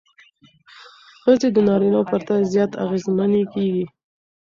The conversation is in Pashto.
ښځې د نارینه وو پرتله زیات اغېزمنې کېږي.